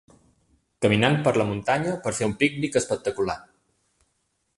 Caminant per la muntanya per fer un pícnic espectacular.